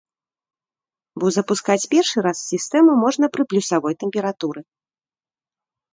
Бо запускаць першы раз сістэму можна пры плюсавай тэмпературы.